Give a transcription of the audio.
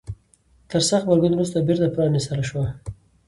تر سخت غبرګون وروسته بیرته پرانيستل شوه.